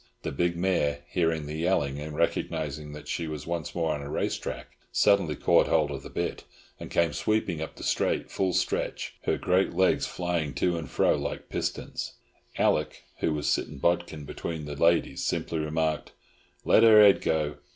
The big mare, hearing the yelling, and recognising that she was once more on a race track, suddenly caught hold of the bit, and came sweeping up the straight full stretch, her great legs flying to and fro like pistons. Alick, who was sitting bodkin between the ladies, simply remarked, "Let her head go!"